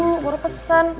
lu harus pesen